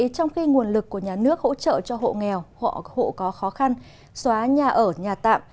trong khi nguồn lực của nhà nước hỗ trợ cho hộ nghèo hộ có khó khăn xóa nhà ở nhà tạm